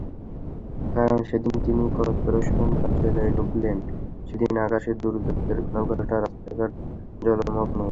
কারণ, যেদিন তিনি করপোরেশন কার্যালয়ে ঢুকলেন, সেদিন আকাশে দুর্যোগের ঘনঘটা, রাস্তাঘাট জলমগ্ন।